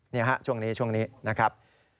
นี่ฮะช่วงนี้ช่วงนี้นะครับ